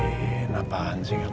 kenapaan sih kamu